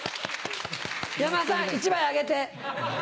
山田さん１枚あげて。